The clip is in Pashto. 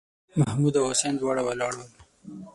محمـود او حسين دواړه ولاړ ول.